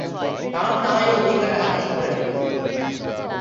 কারণ তারাই অধিক হারে হাদিস পড়ে, লিখে।